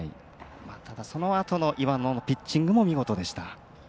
ただ、そのあとの岩野のピッチングも見事でした。